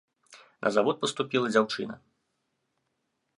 На завод паступіла дзяўчына.